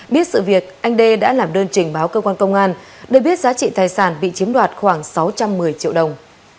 biết sự việc anh đê đã làm đơn trình báo cơ quan công an để biết giá trị tài sản bị chiếm đoạt khoảng sáu trăm một mươi triệu đồng